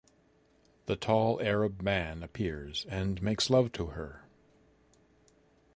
The tall Arab man appears and makes love to her.